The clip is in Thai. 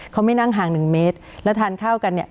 เขาไม่นั่งห่างหนึ่งเมตรแล้วทานข้าวกันเนี่ย